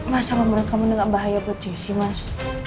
masa menurut kamu enggak bahaya buat josie mas